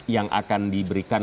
yang akan diberikan